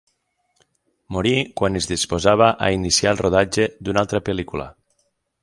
Morí quan es disposava a iniciar el rodatge d'una altra pel·lícula.